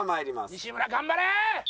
西村頑張れー！